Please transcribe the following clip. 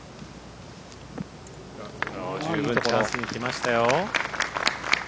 十分チャンスに来ましたよ。